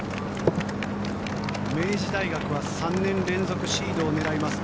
明治大学は３年連続シードを狙います。